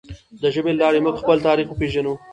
د ژبې له لارې موږ خپل تاریخ وپیژنو.